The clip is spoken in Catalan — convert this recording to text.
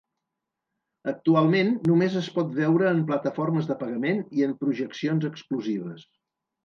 Actualment només es pot veure en plataformes de pagament i en projeccions exclusives.